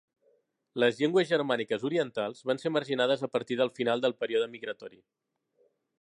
Les llengües germàniques orientals van ser marginades a partir del final del període migratori.